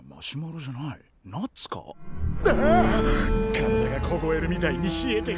体がこごえるみたいに冷えてく。